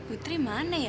putri mana ya